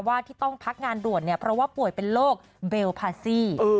ที่ต้องพักงานด่วนเนี่ยเพราะว่าป่วยเป็นโรคเบลพาซี่